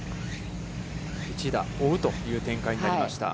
１打、追うという展開になりました。